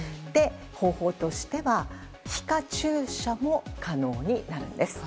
方法としては皮下注射も可能になるんです。